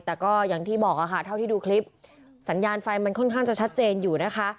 แต่ก็อย่างที่บอกค่ะเท่าที่ดูคลิปสัญญาณไฟมันค่อนข้างจะชัดเจนอยู่นะคะ